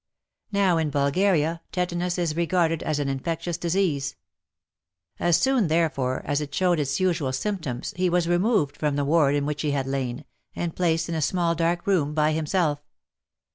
Now in Bulgaria, tetanus is regarded as an infectious disease. As soon, therefore, as it showed its usual symptoms he was removed from the ward in which he had lain, and placed in a small dark room by himself.